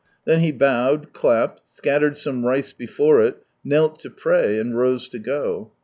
Then he bowed, clapped, scattered some rice before it, knelt to pray, and rose to go.